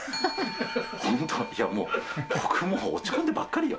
本当、いや、もう、僕、もう落ち込んでばっかりよ。